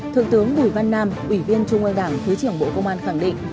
thượng tướng bùi văn nam ủy viên trung ương đảng thứ trưởng bộ công an khẳng định